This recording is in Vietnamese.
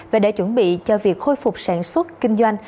và để chuẩn bị cho việc khôi phục sản xuất kinh doanh